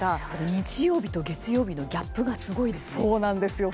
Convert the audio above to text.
日曜日と月曜日のギャップがすごいですね。